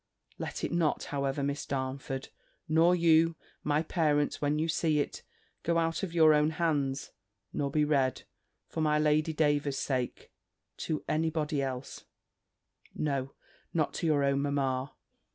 Let it not, however, Miss Darnford nor you, my dear parents when you see it go out of your own hands, nor be read, for my Lady Davers's sake, to any body else No, not to your own mamma.